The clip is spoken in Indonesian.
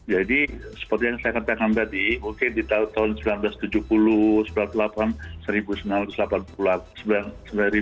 jadi seperti yang saya katakan tadi